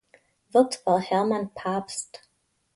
Wirt war Hermann Pabst.